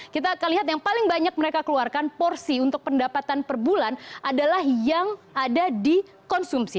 kita akan lihat yang paling banyak mereka keluarkan porsi untuk pendapatan per bulan adalah yang ada di konsumsi